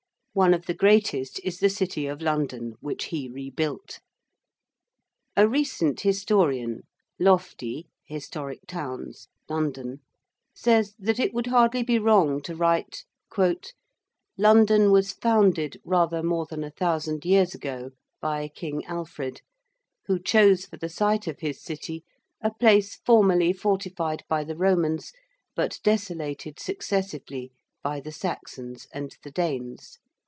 One of the greatest is the City of London, which he rebuilt. A recent historian (Loftie, Historic Towns, 'London') says that it would hardly be wrong to write, 'London was founded, rather more than a thousand years ago, by King Alfred who chose for the site of his city a place formerly fortified by the Romans but desolated successively by the Saxons and the Danes.'